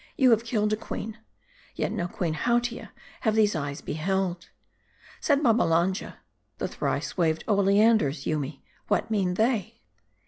you have killed a queen/' " Yet no Queen Hautia have these eyes beheld." Said Babbalanja, " The thrice waved oleanders, Yoomy ; what me, ant they